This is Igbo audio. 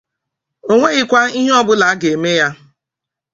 o nweghịkwa ihe ọbụla a ga-eme ya